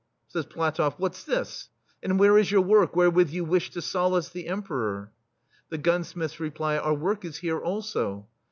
Says Platofl^: "What's this? And where is your work, wherewith you wished to solace the Emperor? The gunsmiths reply : "Our work is here, also.